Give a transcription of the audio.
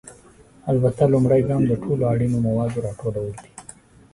البته، لومړی ګام د ټولو اړینو موادو راټولول دي.